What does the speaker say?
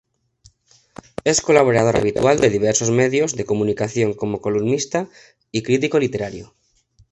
Es colaborador habitual de diversos medios de comunicación como columnista y crítico literario.